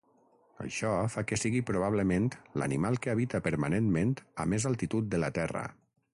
Això fa que sigui probablement l'animal que habita permanentment a més altitud de la Terra.